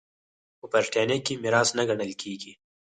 په برېټانیا کې میراث نه ګڼل کېږي.